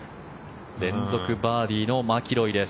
連続バーディーのマキロイです。